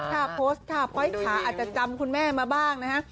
ถ้าโพสต์ท่าพ้อยขาอาจจะจำคุณแม่มาบ้างนะฮะ